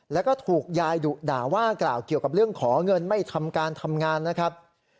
แล้วก็ถูกยายดุด่าว่ากล่าวเกี่ยวกับเรื่องขอเงินไม่ทำการทำงานนะครับ